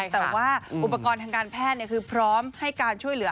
แต่ว่าอุปกรณ์ทางการแพทย์คือพร้อมให้การช่วยเหลือ